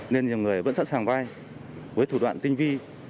nên nhiều người vẫn sẵn sàng vay với thủ đoạn tinh vi